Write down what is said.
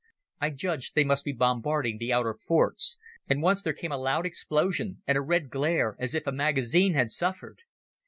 I judged they must be bombarding the outer forts, and once there came a loud explosion and a red glare as if a magazine had suffered.